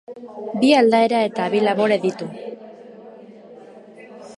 Bi aldaera eta bi labore ditu.